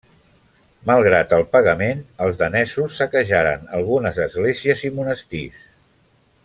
Malgrat el pagament, els danesos saquejaren algunes esglésies i monestirs.